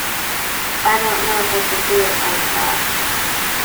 I don't know if I could do it like that.